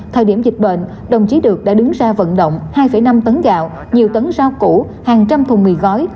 thời điểm dịch bệnh đồng chí được đã đứng ra vận động hai năm tấn gạo nhiều tấn rau củ hàng trăm thùng mì gói